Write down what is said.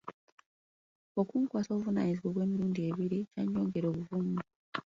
Okunkwasa obuvunaanyizibwa obw’emirundi ebiri kyannyongera obuvumu.